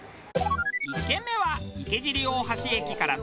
１軒目は池尻大橋駅から徒歩１分。